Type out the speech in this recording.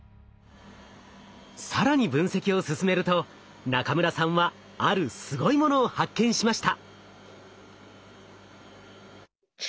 更に分析を進めると中村さんはあるすごいものを発見しました！